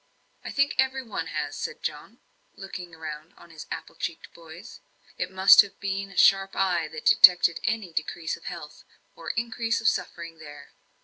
"I think every one has," said John, looking round on his apple cheeked boys; it must have been a sharp eye that detected any decrease of health, or increase of suffering, there.